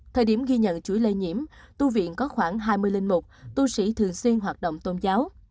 thời điểm ghi nhận chuỗi lây nhiễm tu viện có khoảng hai mươi linh mục tu sĩ thường xuyên hoạt động tôn giáo